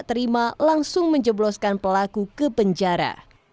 terima langsung menjebloskan pelaku ke penjara